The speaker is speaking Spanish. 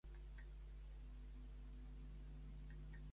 El antiguo presidente Mamadou Tandja amenazó con vender uranio a Irán.